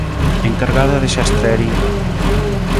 Encargada de xastrería.